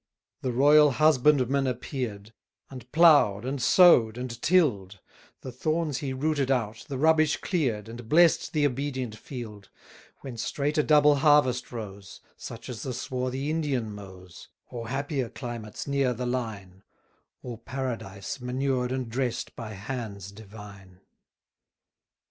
The royal husbandman appear'd, And plough'd, and sow'd, and till'd; The thorns he rooted out, the rubbish clear'd, And bless'd the obedient field: When straight a double harvest rose; Such as the swarthy Indian mows; Or happier climates near the line, Or Paradise manured and dress'd by hands divine.